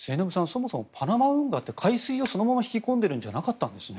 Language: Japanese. そもそもパナマ運河って海水をそのまま引き込んでるんじゃなかったんですね。